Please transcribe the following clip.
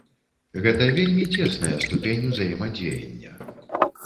Гэта вельмі цесная ступень узаемадзеяння.